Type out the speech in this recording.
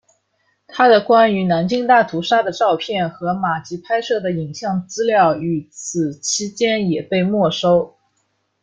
他的关于南京大屠杀的照片和马吉拍摄的影像资料与此期间也被没收。